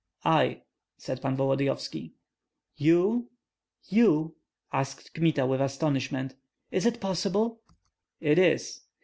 "I," said Pan Volodyovski. "You, you?" asked Kmita, with astonishment, "Is it possible?" "It is."